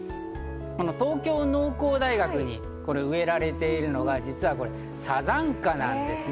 東京農工大学に植えられているのは、実はサザンカなんですね。